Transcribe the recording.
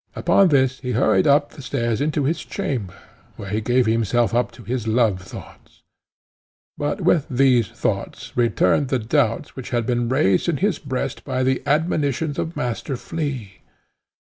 Upon this he hurried up the stairs into his chamber, where he gave himself up to his love thoughts, but with these thoughts returned the doubts which had been raised in his breast by the admonitions of Master Flea.